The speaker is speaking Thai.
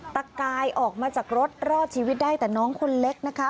ตะกายออกมาจากรถรอดชีวิตได้แต่น้องคนเล็กนะคะ